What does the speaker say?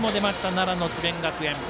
奈良の智弁学園。